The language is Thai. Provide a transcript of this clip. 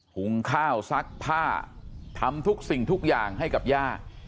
หุงข้าวซักผ้าทำทุกสิ่งทุกอย่างให้กับย่า